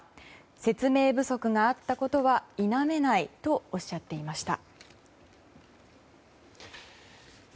説明不足があったことは否めないとおっしゃっていました。